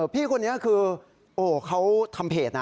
พี่คนนี้คือโอ้เขาทำเพจนะ